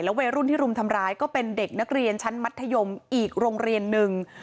วัยรุ่นที่รุมทำร้ายก็เป็นเด็กนักเรียนชั้นมัธยมอีกโรงเรียนหนึ่ง